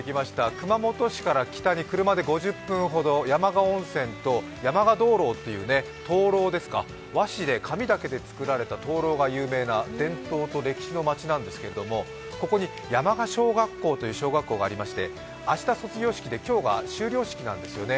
熊本市から北に車で５０分ほど山鹿温泉と山鹿灯籠という灯籠ですか、和紙で紙だけで作られた灯籠が有名な伝統と歴史の町なんですけど、ここに山鹿小学校という小学校がありまして明日卒業式で今日が修了式なんですよね。